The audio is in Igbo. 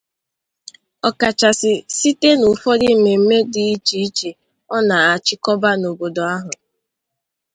ọkachasị site n'ụfọdụ mmemme dị iche iche ọ na-achịkọba n'obodo ahụ.